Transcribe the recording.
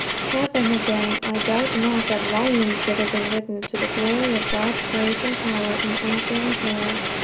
Had there been, I doubt not that volumes could have been written to the glory of God's grace and power in answering prayer.